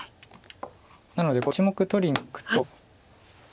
なので１目取りにいくと。